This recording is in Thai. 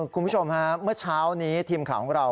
คุณผู้ชมฮะเมื่อเช้านี้ทีมข่าวของเรา